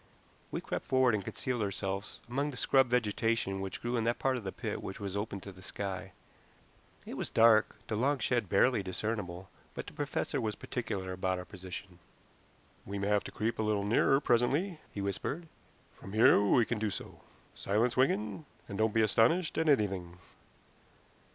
We crept forward and concealed ourselves among the scrub vegetation which grew in that part of the pit which was open to the sky. It was dark, the long shed barely discernible, but the professor was particular about our position. "We may have to creep a little nearer presently," he whispered. "From here we can do so. Silence, Wigan, and don't be astonished at anything."